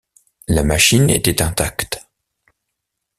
La machine était intacte.